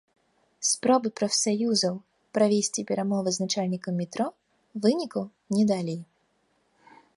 Спробы прафсаюзаў правесці перамовы з начальнікам метро вынікаў не далі.